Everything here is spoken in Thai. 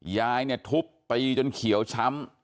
ยายเนี่ยทุบตีจนเขียวช้ำ